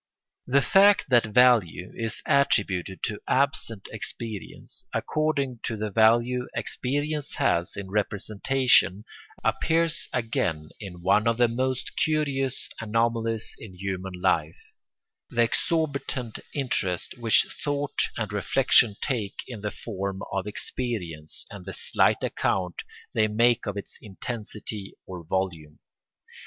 ] The fact that value is attributed to absent experience according to the value experience has in representation appears again in one of the most curious anomalies in human life—the exorbitant interest which thought and reflection take in the form of experience and the slight account they make of its intensity or volume.